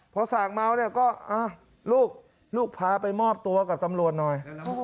พอส่างเมาเนี่ยก็ลูกลูกพาไปมอบตัวกับตำรวจหน่อย